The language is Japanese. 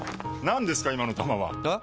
何ですか今の球は！え？